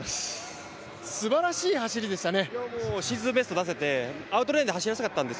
すばらしい走りでしたね。